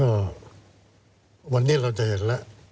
ก็วันนี้เราจะเห็นแล้ว